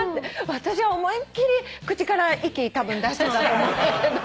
私は思いっ切り口から息出してたと思うけど。